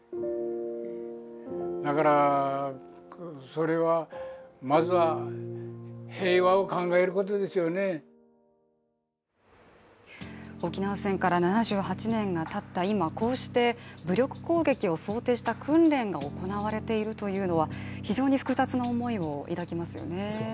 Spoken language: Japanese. その沖縄で再び緊張が高まる中、戦争で家族を失った山内さんは沖縄戦から７８年がたった今、こうして武力攻撃を想定した訓練が行われているというのは、非常に複雑な思いを抱きますよね。